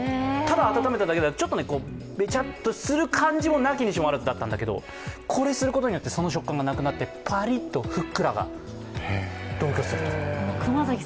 温めただけだとちょっとねべちゃっとする感じも無きにしもあらずだったんだけどこれすることによって、その食感がなくなってパリっとふっくらが同居する。